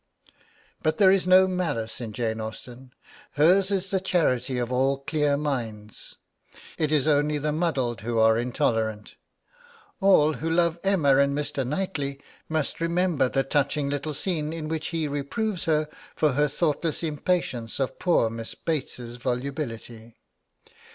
But there is no malice in Jane Austen. Hers is the charity of all clear minds, it is only the muddled who are intolerant. All who love Emma and Mr. Knightly must remember the touching little scene in which he reproves her for her thoughtless impatience of poor Miss Bates's volubility.